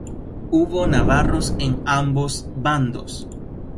Hubo navarros en ambos bandos.